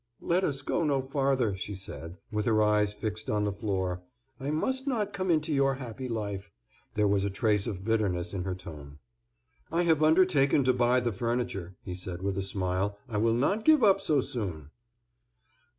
"Let us go no farther," she said, with her eyes fixed on the floor. "I must not come into your happy life." There was a trace of bitterness in her tone. "I have undertaken to buy the furniture," he said, with a smile. "I will not give up so soon."